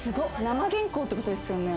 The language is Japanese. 生原稿ってことですよね。